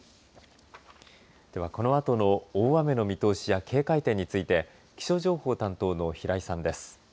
ではこのあとの大雨の見通しや警戒点について気象情報担当の平井さんです。